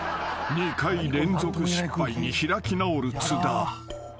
［２回連続失敗に開き直る津田］